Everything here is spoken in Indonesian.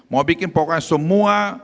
mau bikin pokoknya semua